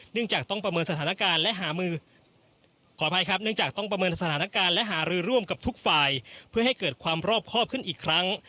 เนื่องจากต้องประเมินสถานการณ์และหารือร่วมกับทุกฝ่ายเพื่อให้เกิดความรอบครอบขึ้นอีกครั้ง